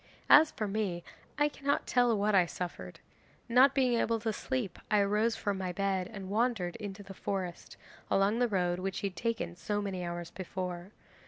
As for me, I cannot tell what I suffered. Not being able to sleep I rose from my bed and wandered into the forest, along the road which he had taken so many hours before.